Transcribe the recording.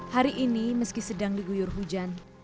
hari ini meski sedang diguyur hujan